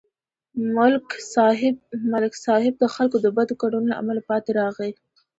ملک صاحب د خلکو د بدو کړنو له امله پاتې راغی.